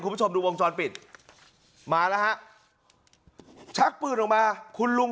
คุณผู้ชมดูวงจรปิดมาแล้วฮะชักปืนออกมาคุณลุง